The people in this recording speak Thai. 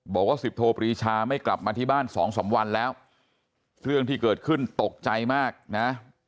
บอกว่าสิบโทปรีชาไม่กลับมาที่บ้านสองสามวันแล้วเรื่องที่เกิดขึ้นตกใจมากนะ